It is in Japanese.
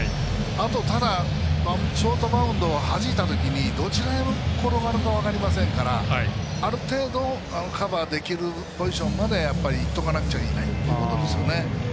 ただショートバウンドをはじいた時にどちらへ転がるか分かりませんからある程度カバーできるポジションまでいっておかなくちゃいけないってことですよね。